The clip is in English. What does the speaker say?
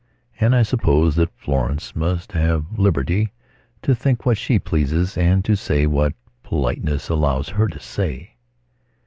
And I suppose that Florence must have liberty to think what she pleases and to say what politeness allows her to say."